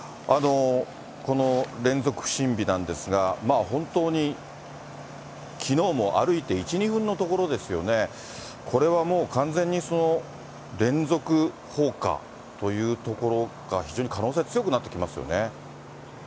この連続不審火なんですが、本当に、きのうも歩いて１、２分の所ですよね、これはもう完全に連続放火というところが、非常に可能性強くなってきますよね。